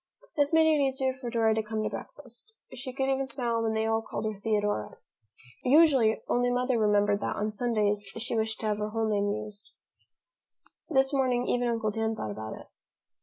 This made it easier for Dora to come to breakfast. She could even smile when they all called her Theodora. Usually, only Mother remembered that on Sundays she wished to have her whole name used. This morning even Uncle Dan thought about it.